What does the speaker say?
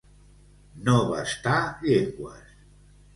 No bastar llengües.